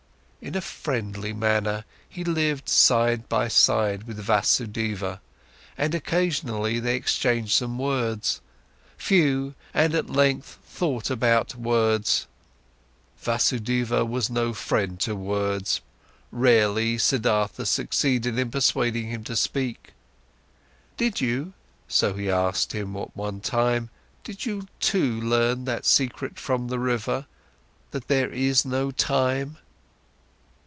In a friendly manner, he lived side by side with Vasudeva, and occasionally they exchanged some words, few and at length thought about words. Vasudeva was no friend of words; rarely, Siddhartha succeeded in persuading him to speak. "Did you," so he asked him at one time, "did you too learn that secret from the river: that there is no time?"